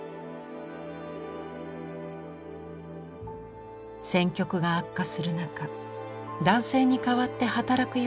戦局が悪化する中男性に代わって働くようになった女性。